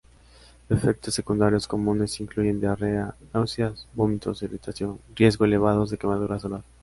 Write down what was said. Efectos secundarios comunes incluyen diarrea, náusea, vómitos, irritación, riesgo elevados de quemadura solar.